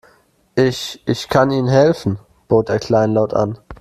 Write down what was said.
Ich, ich kann Ihnen helfen, bot er kleinlaut an.